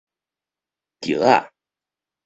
轎仔